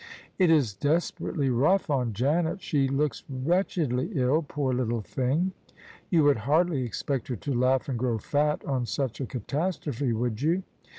" It is desperately rough on Janet ! She looks wretchedly ill, poor little thing 1 " "You would hardly expect her to laugh and grow fat on such a catastrophe, would you?"